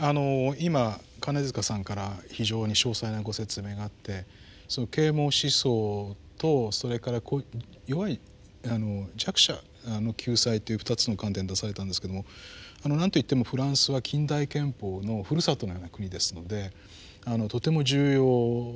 今金塚さんから非常に詳細なご説明があって啓蒙思想とそれから弱い弱者の救済という２つの観点出されたんですけどもなんと言ってもフランスは近代憲法のふるさとのような国ですのでとても重要だと思います。